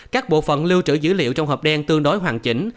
các bộ phận lưu trữ dữ liệu trong hộp đen tương đối hoàn chỉnh